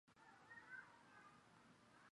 我轻易陷身其中